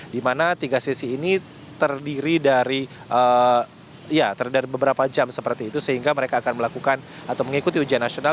di mana tiga sesi ini terdiri dari beberapa jam seperti itu sehingga mereka akan melakukan atau mengikuti ujian nasional